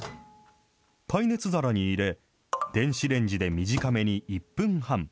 耐熱皿に入れ、電子レンジで短めに１分半。